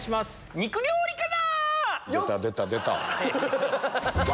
肉料理から！